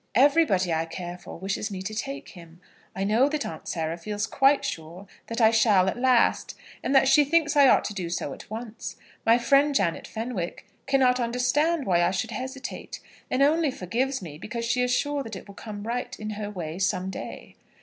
Everybody I care for wishes me to take him. I know that Aunt Sarah feels quite sure that I shall at last, and that she thinks I ought to do so at once. My friend, Janet Fenwick, cannot understand why I should hesitate, and only forgives me because she is sure that it will come right, in her way, some day.